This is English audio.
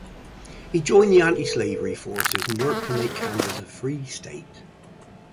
He joined the anti-slavery forces and worked to make Kansas a free state.